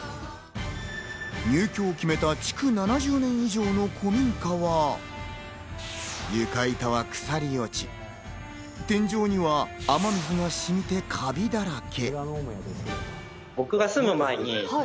入居を決めた、築７０年以上の古民家は、床板は腐り落ち、天井には雨水がしみてカビだらけ。